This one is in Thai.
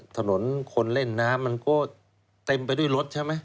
ถนนคนเล่นน้ำมันก็เต็มไปด้วยรถใช่ไหม